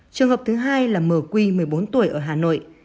trường hợp thứ hai là mq một mươi bốn tuổi ở hà nội